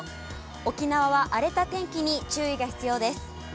沖縄は荒れた天気に注意が必要です。